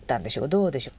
どうでしょう？